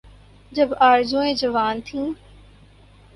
جب آرزوئیں جوان تھیں۔